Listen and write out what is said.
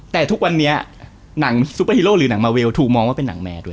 แต่ทุกวันนี้หนังซุปเปอร์ฮีโร่หรือหนังมาเวลถูกมองว่าเป็นหนังแมร์ด้วย